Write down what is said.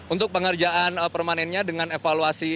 untuk pengerjaan permanennya dengan evaluasi